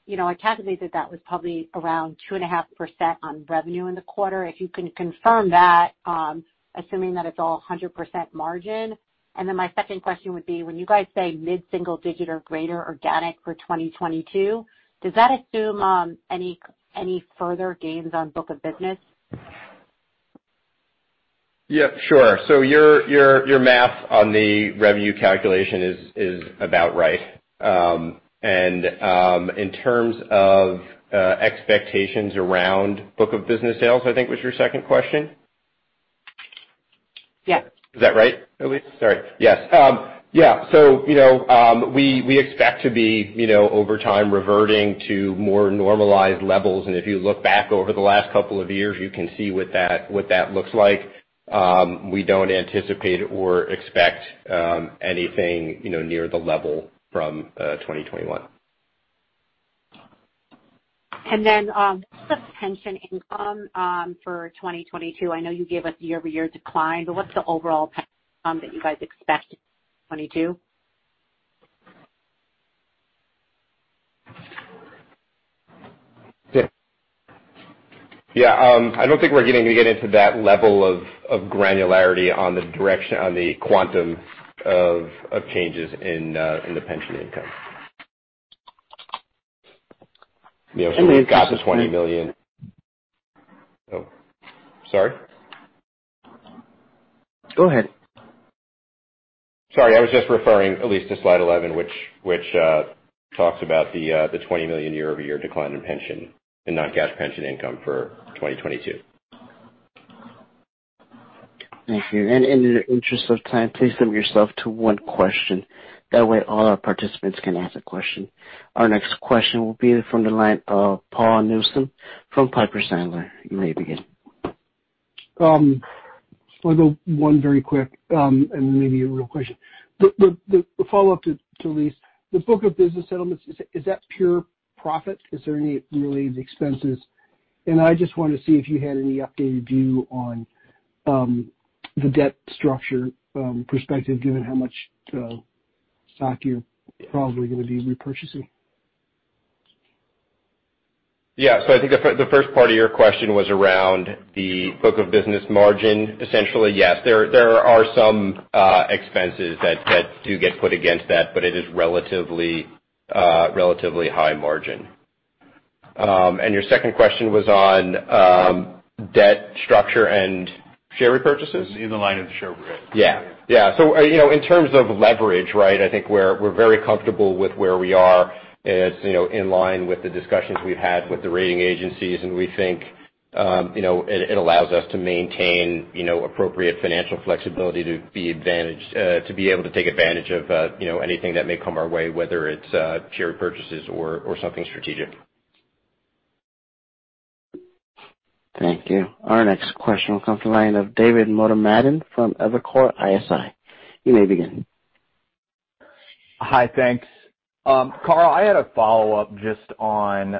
you know, I calculated that was probably around 2.5% on revenue in the quarter. If you can confirm that, assuming that it's all 100% margin. My second question would be, when you guys say mid-single-digit or greater organic for 2022, does that assume any further gains on book of business? Yeah, sure. Your math on the revenue calculation is about right. In terms of expectations around book of business sales, I think was your second question? Yeah. Is that right, Elise? Sorry. Yes. Yeah. You know, we expect to be, you know, over time reverting to more normalized levels. If you look back over the last couple of years, you can see what that looks like. We don't anticipate or expect anything, you know, near the level from 2021. Just the pension income for 2022. I know you gave us year-over-year decline, but what's the overall pension income that you guys expect in 2022? Yeah. I don't think we're going to get into that level of granularity on the quantum of changes in the pension income. You know, so we got the $20 million. Oh, sorry. Go ahead. Sorry, I was just referring Elyse to slide 11 which talks about the $20 million year-over-year decline in pension and non-cash pension income for 2022. Thank you. In the interest of time, please limit yourself to one question. That way, all our participants can ask a question. Our next question will be from the line of Paul Newsome from Piper Sandler. You may begin. I got one very quick, and maybe a real question. The follow-up to Elyse, the book of business settlements, is that pure profit? Is there any related expenses? I just want to see if you had any updated view on the debt structure perspective, given how much stock you're probably gonna be repurchasing. Yeah. I think the first part of your question was around the book of business margin. Essentially, yes, there are some expenses that do get put against that, but it is relatively high margin. Your second question was on debt structure and share repurchases? In the line of the share repurchases. Yeah. You know, in terms of leverage, right? I think we're very comfortable with where we are. It's you know, in line with the discussions we've had with the rating agencies, and we think you know, it allows us to maintain you know, appropriate financial flexibility to be advantaged to be able to take advantage of you know, anything that may come our way, whether it's share repurchases or something strategic. Thank you. Our next question will come from the line of David Motemaden from Evercore ISI. You may begin. Hi. Thanks. Carl, I had a follow-up just on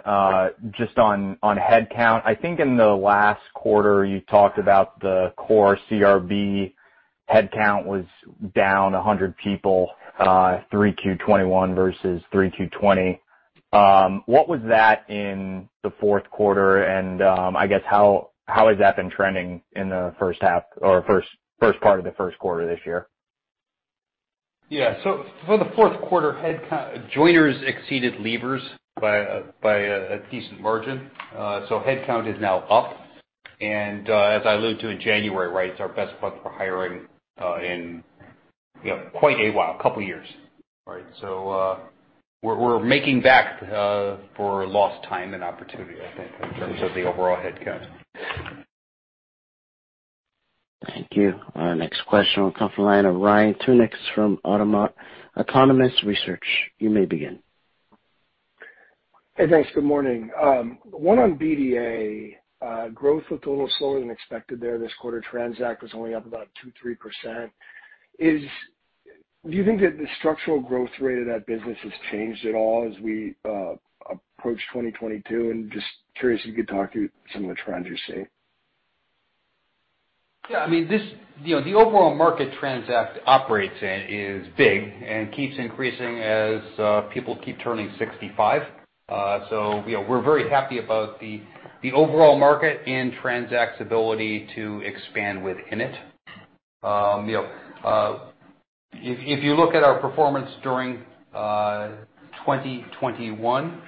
headcount. I think in the last quarter, you talked about the core CRB headcount was down 100 people, 3Q 2021 versus 3Q 2020. What was that in the fourth quarter? I guess how has that been trending in the first half or first part of the first quarter this year? For the fourth quarter, headcount joiners exceeded leavers by a decent margin. Headcount is now up. As I alluded to in January, right, it's our best month for hiring in, you know, quite a while, a couple years, right? We're making up for lost time and opportunity, I think, in terms of the overall headcount. Thank you. Our next question will come from the line of Ryan Tunis from Autonomous Research. You may begin. Hey, thanks. Good morning. One on BDA. Growth looked a little slower than expected there this quarter. TRANZACT was only up about 2%-3%. Do you think that the structural growth rate of that business has changed at all as we approach 2022? Just curious if you could talk through some of the trends you see. Yeah. I mean, this, you know, the overall market TRANZACT operates in is big and keeps increasing as people keep turning 65. You know, we're very happy about the overall market and TRANZACT's ability to expand within it. You know, if you look at our performance during 2021, you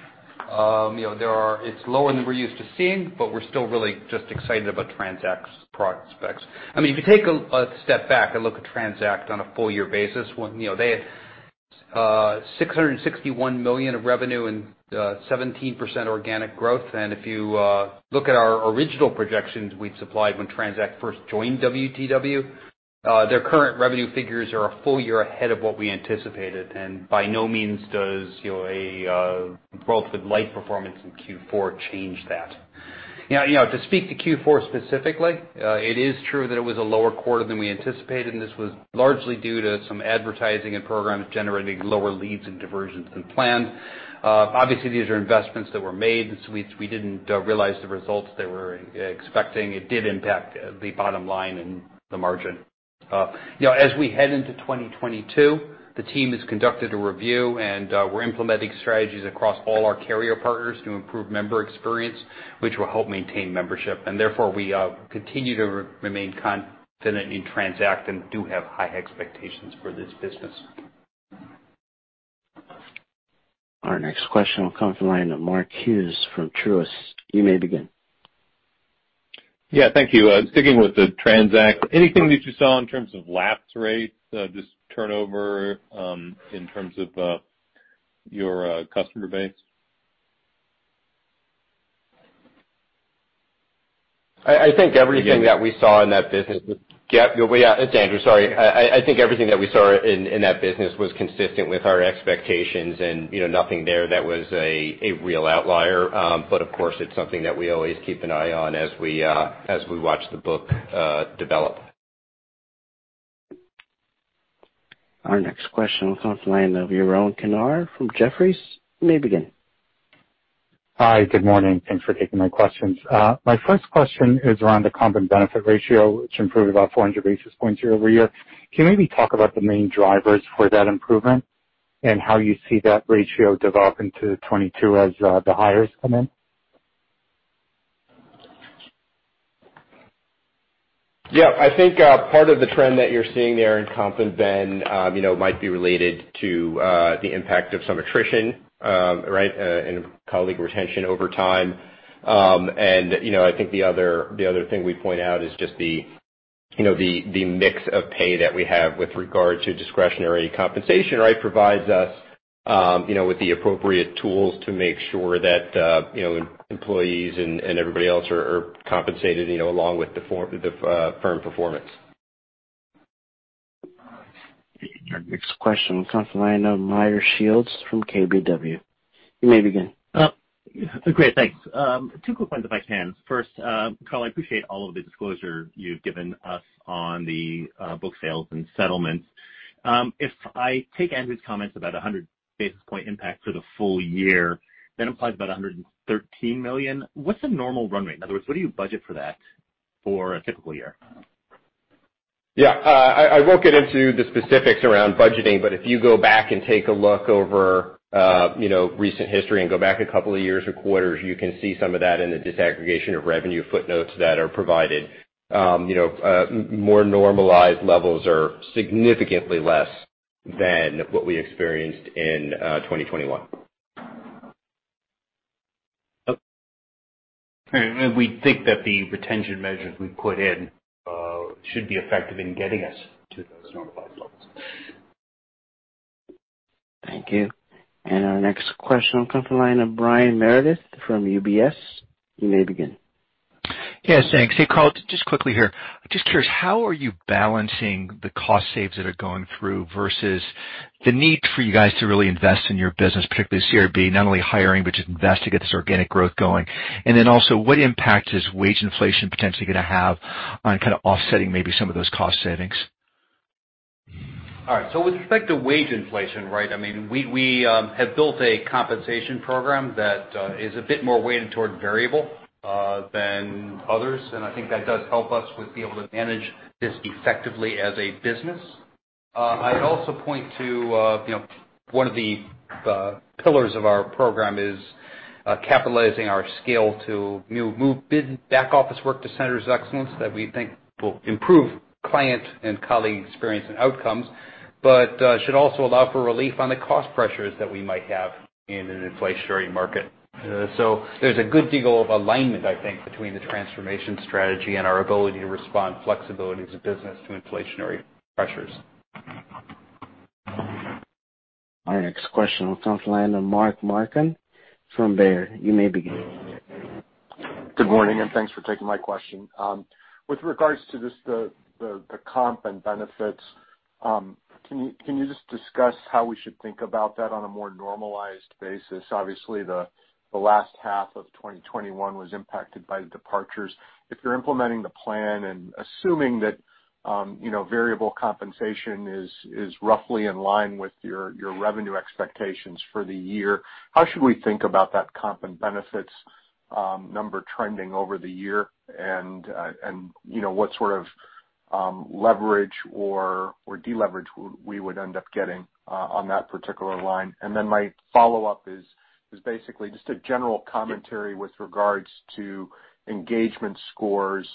know, it's lower than we're used to seeing, but we're still really just excited about TRANZACT's prospects. I mean, if you take a step back and look at TRANZACT on a full year basis, when, you know, they had $661 million of revenue and 17% organic growth. If you look at our original projections we'd supplied when TRANZACT first joined WTW, their current revenue figures are a full year ahead of what we anticipated. By no means does, you know, a relatively light performance in Q4 change that. You know, to speak to Q4 specifically, it is true that it was a lower quarter than we anticipated, and this was largely due to some advertising and programs generating lower leads and diversions than planned. Obviously, these are investments that were made, and so we didn't realize the results they were expecting. It did impact the bottom line and the margin. You know, as we head into 2022, the team has conducted a review, and we're implementing strategies across all our carrier partners to improve member experience, which will help maintain membership. Therefore, we continue to remain confident in TRANZACT and do have high expectations for this business. Our next question will come from the line of Mark Hughes from Truist. You may begin. Yeah. Thank you. Sticking with the TRANZACT, anything that you saw in terms of lapse rates, just turnover, in terms of, your customer base? I think everything that we saw in that business. Can you hear me? Yeah. It's Andrew. Sorry. I think everything that we saw in that business was consistent with our expectations and, you know, nothing there that was a real outlier. But of course, it's something that we always keep an eye on as we watch the book develop. Our next question will come from the line of Yaron Kinar from Jefferies. You may begin. Hi. Good morning. Thanks for taking my questions. My first question is around the comp and benefit ratio, which improved about 400 basis points year-over-year. Can you maybe talk about the main drivers for that improvement and how you see that ratio developing to 2022 as the hires come in? Yeah. I think part of the trend that you're seeing there in comp and ben, you know, might be related to the impact of some attrition, right, and colleague retention over time. You know, I think the other thing we point out is just the mix of pay that we have with regard to discretionary compensation, right. It provides us, you know, with the appropriate tools to make sure that, you know, employees and everybody else are compensated, you know, along with the firm performance. Our next question comes from the line of Meyer Shields from KBW. You may begin. Great, thanks. Two quick ones if I can. First, Carl, I appreciate all of the disclosure you've given us on the book sales and settlements. If I take Andrew's comments about 100 basis point impact for the full year, that implies about $113 million. What's the normal run rate? In other words, what do you budget for that for a typical year? Yeah. I won't get into the specifics around budgeting, but if you go back and take a look over, you know, recent history and go back a couple of years or quarters, you can see some of that in the disaggregation of revenue footnotes that are provided. You know, more normalized levels are significantly less than what we experienced in 2021. Okay. All right, we think that the retention measures we put in should be effective in getting us to those normalized levels. Thank you. Our next question will come from the line of Brian Meredith from UBS. You may begin. Yes, thanks. Hey, Carl, just quickly here. Just curious, how are you balancing the cost saves that are going through versus the need for you guys to really invest in your business, particularly CRB, not only hiring, but just invest to get this organic growth going? Then also, what impact is wage inflation potentially gonna have on kinda offsetting maybe some of those cost savings? All right. With respect to wage inflation, right, I mean, we have built a compensation program that is a bit more weighted toward variable than others, and I think that does help us with being able to manage this effectively as a business. I'd also point to you know, one of the pillars of our program is capitalizing our scale to move back office work to centers of excellence that we think will improve client and colleague experience and outcomes, but should also allow for relief on the cost pressures that we might have in an inflationary market. There's a good deal of alignment, I think, between the transformation strategy and our ability to respond flexibly as a business to inflationary pressures. Our next question comes from the line of Mark Marcon from Baird. You may begin. Good morning, and thanks for taking my question. With regards to just the comp and benefits, can you just discuss how we should think about that on a more normalized basis? Obviously, the last half of 2021 was impacted by the departures. If you're implementing the plan and assuming that, you know, variable compensation is roughly in line with your revenue expectations for the year, how should we think about that comp and benefits number trending over the year? You know, what sort of leverage or deleverage we would end up getting on that particular line? My follow-up is basically just a general commentary with regards to engagement scores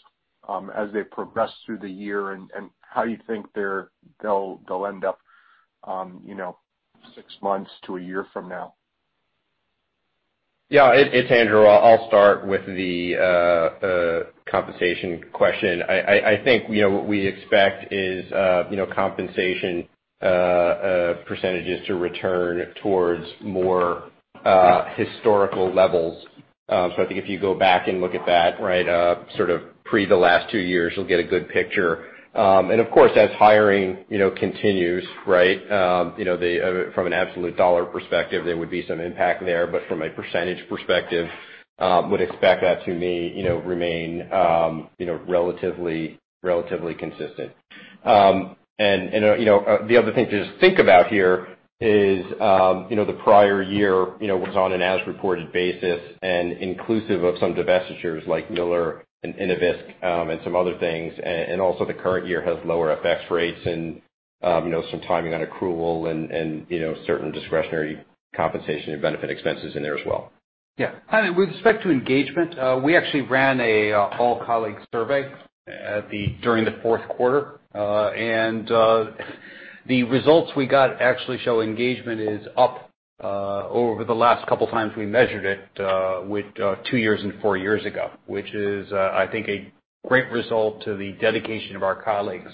as they progress through the year and how you think they'll end up, you know, six months to a year from now. It's Andrew. I'll start with the compensation question. I think you know what we expect is you know compensation percentages to return towards more historical levels. I think if you go back and look at that right sort of pre the last two years you'll get a good picture. Of course as hiring you know continues right you know then from an absolute dollar perspective there would be some impact there. From a percentage perspective would expect that to be you know remain you know relatively consistent. You know the other thing to just think about here is you know the prior year you know was on an as reported basis and inclusive of some divestitures like Miller and Innovisk and some other things. Also, the current year has lower FX rates and, you know, some timing on accrual and, you know, certain discretionary compensation and benefit expenses in there as well. Yeah. I mean, with respect to engagement, we actually ran an all-colleague survey during the fourth quarter. The results we got actually show engagement is up over the last couple times we measured it with two years and four years ago, which is, I think, a great result to the dedication of our colleagues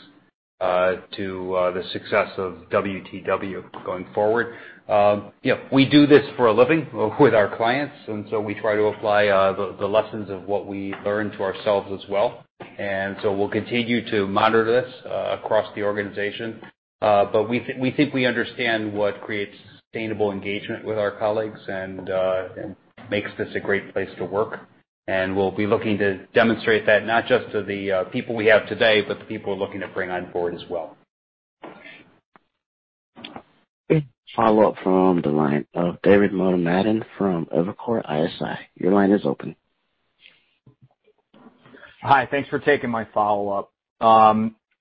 to the success of WTW going forward. Yeah, we do this for a living with our clients, and so we try to apply the lessons of what we learn to ourselves as well. We'll continue to monitor this across the organization. We think we understand what creates sustainable engagement with our colleagues and makes this a great place to work. We'll be looking to demonstrate that not just to the people we have today, but the people we're looking to bring on board as well. Follow up from the line of David Motemaden from Evercore ISI. Your line is open. Hi. Thanks for taking my follow-up.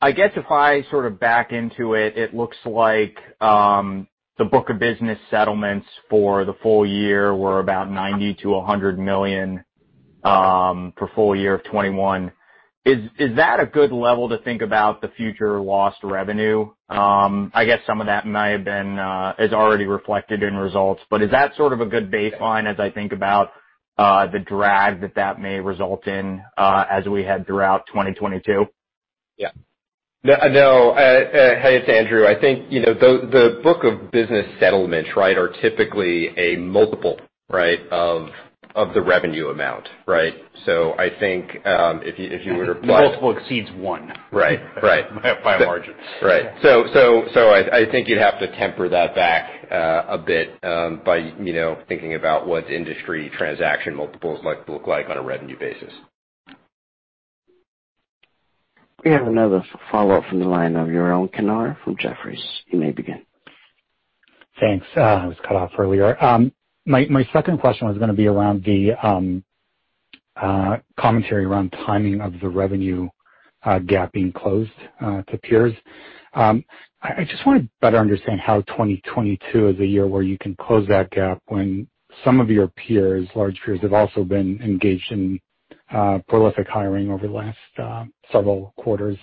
I guess if I sort of back into it looks like the book of business settlements for the full year were about $90 million-$100 million for full year of 2021. Is that a good level to think about the future lost revenue? I guess some of that may have been is already reflected in results, but is that sort of a good baseline as I think about the drag that that may result in as we head throughout 2022? Yeah. No, hey, it's Andrew. I think, you know, the book of business settlements, right, are typically a multiple, right, of the revenue amount, right? I think, if you were to apply- The multiple exceeds one. Right. Right. By a margin. Right. I think you'd have to temper that back a bit by, you know, thinking about what the industry transaction multiples might look like on a revenue basis. We have another follow-up from the line of Yaron Kinar from Jefferies. You may begin. Thanks. I was cut off earlier. My second question was gonna be around the commentary around timing of the revenue gap being closed to peers. I just wanna better understand how 2022 is a year where you can close that gap when some of your peers, large peers, have also been engaged in prolific hiring over the last several quarters.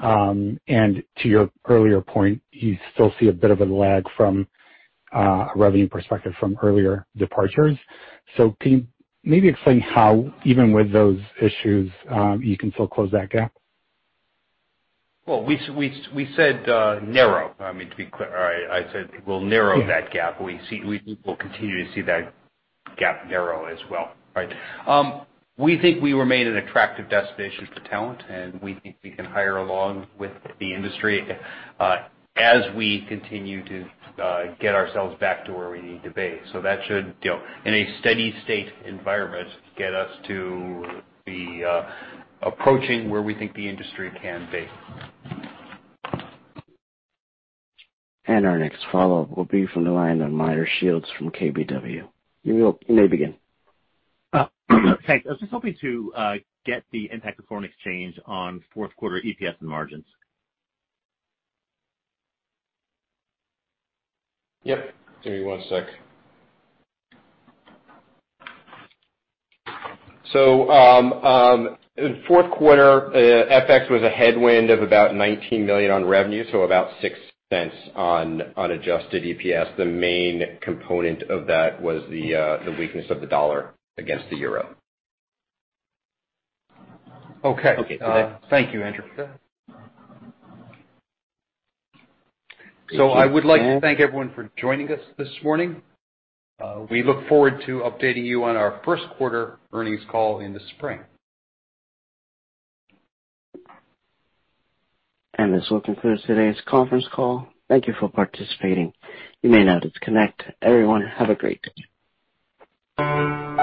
And to your earlier point, you still see a bit of a lag from a revenue perspective from earlier departures. Can you maybe explain how, even with those issues, you can still close that gap? Well, we said narrow. I mean, to be clear, I said we'll narrow that gap. We will continue to see that gap narrow as well, right? We think we remain an attractive destination for talent, and we think we can hire along with the industry, as we continue to get ourselves back to where we need to be. That should, you know, in a steady state environment, get us to be approaching where we think the industry can be. Our next follow-up will be from the line of Meyer Shields from KBW. You may begin. Thanks. I was just hoping to get the impact of foreign exchange on fourth quarter EPS and margins. Yep. Give me one sec. In fourth quarter, FX was a headwind of about $19 million on revenue, so about $0.06 on unadjusted EPS. The main component of that was the weakness of the dollar against the euro. Okay. Okay. Thank you, Andrew. Thank you. I would like to thank everyone for joining us this morning. We look forward to updating you on our first quarter earnings call in the spring. This will conclude today's conference call. Thank you for participating. You may now disconnect. Everyone, have a great day.